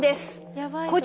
やばいぞ。